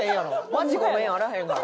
「マジごめん」やあらへんがな。